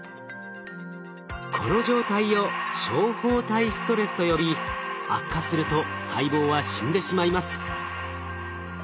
この状態を「小胞体ストレス」と呼び悪化すると細胞は死んでしまいます。